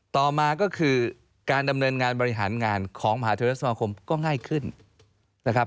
ต่อมาก็คือการดำเนินงานบริหารงานของมหาเทศสมาคมก็ง่ายขึ้นนะครับ